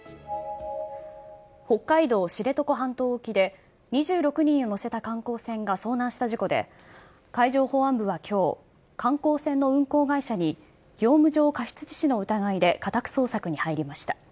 北海道知床半島沖で、２６人を乗せた観光船が遭難した事故で、海上保安部はきょう、観光船の運航会社に、業務上過失致死の疑いで家宅捜索に入りました。